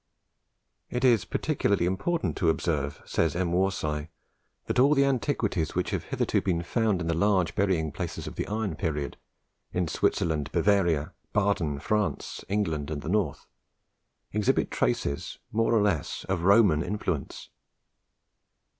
It is particularly important to observe, says M. Worsaae, that all the antiquities which have hitherto been found in the large burying places of the Iron period, in Switzerland, Bavaria, Baden, France, England, and the North, exhibit traces more or less of Roman influence.